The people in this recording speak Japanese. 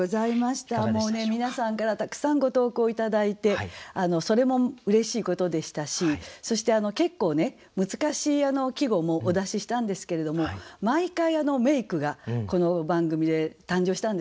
もうね皆さんからたくさんご投稿頂いてそれもうれしいことでしたしそして結構難しい季語もお出ししたんですけれども毎回名句がこの番組で誕生したんですね。